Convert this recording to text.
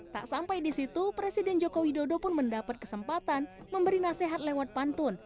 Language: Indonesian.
tak sampai di situ presiden joko widodo pun mendapat kesempatan memberi nasihat lewat pantun